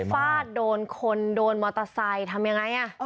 ฟาดโดนคนโดนมอเตอร์ไซค์ทำยังไง